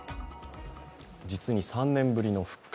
実に３年ぶりの復活